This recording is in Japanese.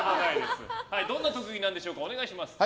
どんな特技なんでしょうか。